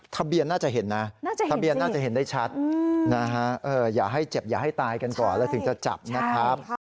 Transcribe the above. ทะเบียนน่าจะเห็นนะทะเบียนน่าจะเห็นได้ชัดนะฮะอย่าให้เจ็บอย่าให้ตายกันก่อนแล้วถึงจะจับนะครับ